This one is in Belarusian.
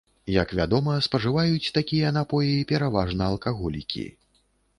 Як вядома, спажываюць такія напоі пераважна алкаголікі.